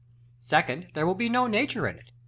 Secondly, there will be no Nature in it.